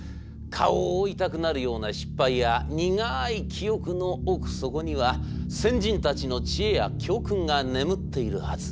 顔を覆いたくなるような失敗や苦い記憶の奥底には先人たちの知恵や教訓が眠っているはず。